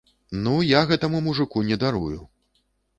Ну, я гэтаму мужыку не дарую!